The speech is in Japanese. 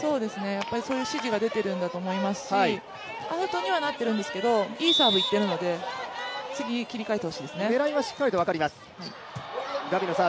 そういう指示が出ているんだと思いますしアウトにはなってるんですけどいいサーブ行ってるので次、切り替えてほしいですね。